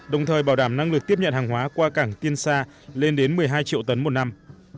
đồng thời bảo đảm năng lực tiếp nhận hàng hóa qua cảng tiên sa lên đến một mươi hai triệu tấn một năm